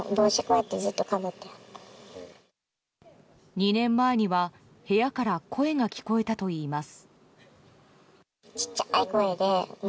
２年前には、部屋から声が聞こえたといいます。